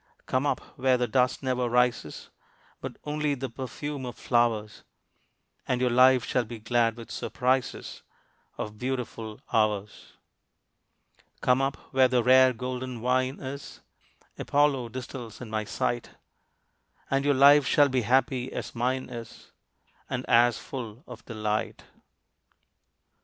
Come up where the dust never rises But only the perfume of flowers And your life shall be glad with surprises Of beautiful hours. Come up where the rare golden wine is Apollo distills in my sight, And your life shall be happy as mine is, And as full of delight.